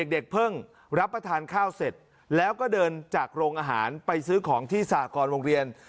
เด็กเพิ่งรับประทานข้าวเสร็จแล้วก็เดินจากโรงอาหารไปซื้อของที่สากรโรงเรียน